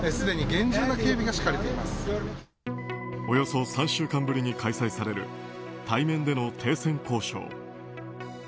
およそ３週間ぶりに開催される対面での停戦交渉。